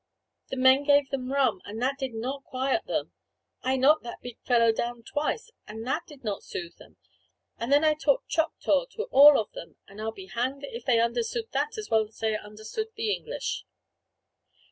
The men gave them rum, and that did not quiet them. I knocked that big fellow down twice, and that did not soothe him. And then I talked Choctaw to all of them together; and I'll be hanged if they understood that as well as they understood the English."